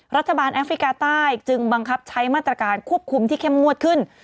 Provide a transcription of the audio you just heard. แอฟริกาใต้จึงบังคับใช้มาตรการควบคุมที่เข้มงวดขึ้น